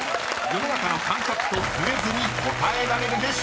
世の中の感覚とずれずに答えられるでしょうか？］